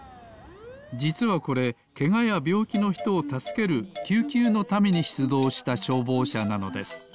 じつはこれけがやびょうきのひとをたすけるきゅうきゅうのためにしゅつどうしたしょうぼうしゃなのです。